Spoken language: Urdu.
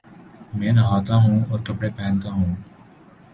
میں نہاتاہوں اور کپڑے پہنتا ہوں